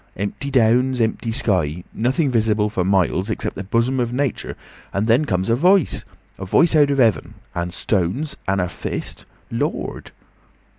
Empty downs, empty sky. Nothing visible for miles except the bosom of Nature. And then comes a voice. A voice out of heaven! And stones! And a fist—Lord!"